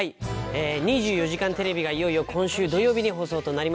『２４時間テレビ』がいよいよ今週土曜日に放送となります。